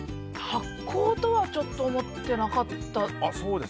発酵とはちょっと思ってなかった。